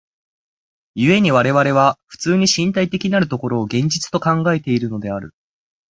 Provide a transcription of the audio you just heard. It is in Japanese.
故に我々は普通に身体的なる所を現実と考えているのである。